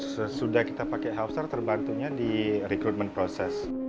sesudah kita pakai helpster terbantunya di recruitment process